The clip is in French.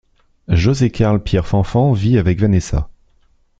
José-Karl Pierre-Fanfan vit avec Vanessa.